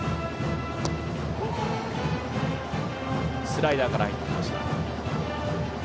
スライダーから入りました。